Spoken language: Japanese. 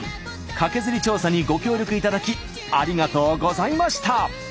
カケズリ調査にご協力いただきありがとうございました。